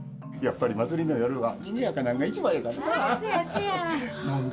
やっぱり祭りの夜はにぎやかなんが一番やからな。